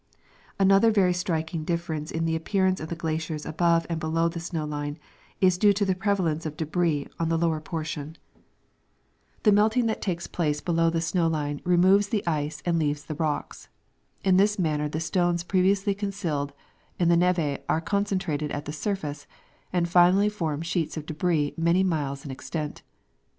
Another very striking diff"erence in the apj^earance of the glaciers above and below the snow line is due to the prevalence of debris on the lower portion. The melting that takes place Distribution of Moraines. 185 below the snow line removes the ice and leaves the rocks. In this manner the stones previously concealed in the neve are con centrated at the surface, and finally form sheets of debris many miles in extent.